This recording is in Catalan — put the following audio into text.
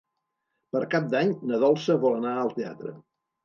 Per Cap d'Any na Dolça vol anar al teatre.